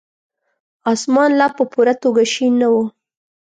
اسمان لا په پوره توګه شين نه وو.